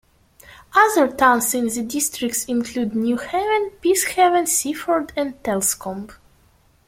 Other towns in the district include Newhaven, Peacehaven, Seaford and Telscombe.